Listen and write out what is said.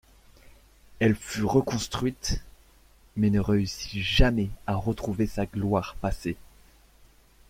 Elle fut reconstruite, mais ne réussit jamais à retrouver sa gloire passée.